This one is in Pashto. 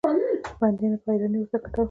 بنديانو په حيرانۍ ورته کتل.